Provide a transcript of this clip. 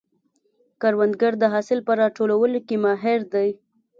کروندګر د حاصل په راټولولو کې ماهر دی